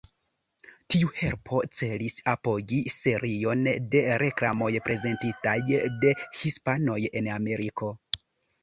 Tiu helpo celis apogi serion de reklamoj prezentitaj de hispanoj en Ameriko.